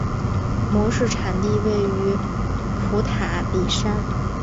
模式产地位于普塔里山。